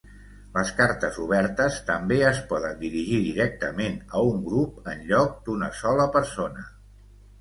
Les cartes obertes també es poden dirigir directament a un grup en lloc d'una sola persona.